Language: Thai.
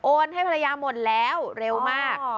ให้ภรรยาหมดแล้วเร็วมาก